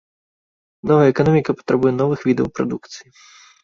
Новая эканоміка патрабуе новых відаў прадукцыі.